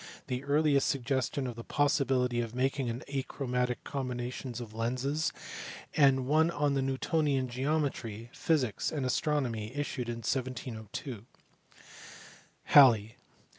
98] the earliest suggestion of the possibility of making an achromatic combina tion of lenses ; and one on the Newtonian geometry, physics, and astronomy, issued in 1702. Halley.